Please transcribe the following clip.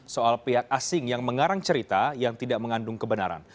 soal pihak asing yang mengarang cerita yang tidak mengandung kebenaran